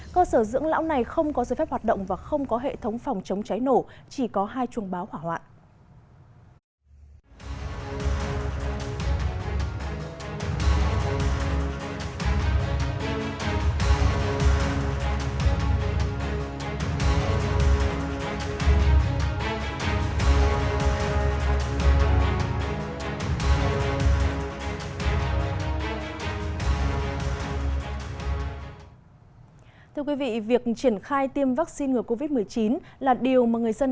cơ sở dưỡng lão này không có giới phép hoạt động và không có hệ thống phòng chống cháy nổ chỉ có hai chuông báo hỏa hoạn